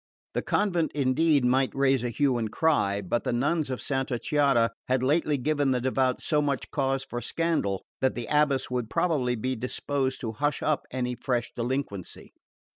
The convent indeed might raise a hue and cry; but the nuns of Santa Chiara had lately given the devout so much cause for scandal that the abbess would probably be disposed to hush up any fresh delinquency.